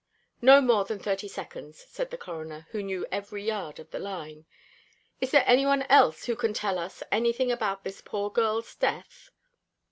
"Not more than thirty seconds," said the Coroner, who knew every yard of the line. "Is there any one else here who can tell us anything about this poor girl's death?"